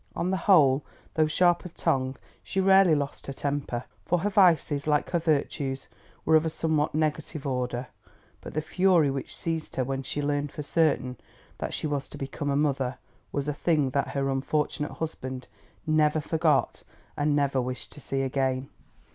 On the whole, though sharp of tongue, she rarely lost her temper, for her vices, like her virtues, were of a somewhat negative order; but the fury which seized her when she learned for certain that she was to become a mother was a thing that her unfortunate husband never forgot and never wished to see again.